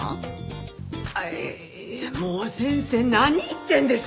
いやもう先生何言ってるんですか！？